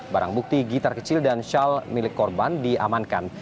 barang bukti gitar kecil dan shal milik korban diamankan